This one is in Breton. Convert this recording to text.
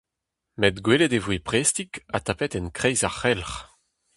Met gwelet e voe prestik, ha tapet en kreiz ar c'helc'h.